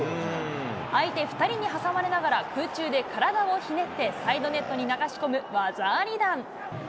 相手２人に挟まれながら空中で体をひねって、サイドネットに流し込む技あり弾。